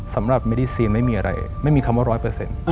สำหรับเมดิเซียนไม่มีอะไรไม่มีคำว่า๑๐๐